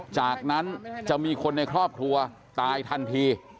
จากนั้นจะมีคนในครอบครัวตายทันที